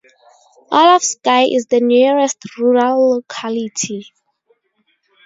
Orlovsky is the nearest rural locality.